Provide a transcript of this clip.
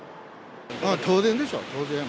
当然でしょ、当然。